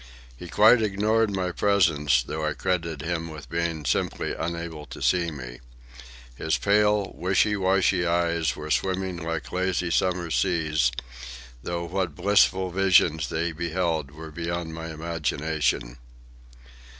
He quite ignored my presence, though I credited him with being simply unable to see me. His pale, wishy washy eyes were swimming like lazy summer seas, though what blissful visions they beheld were beyond my imagination.